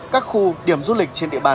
các khu điểm du lịch trên địa bàn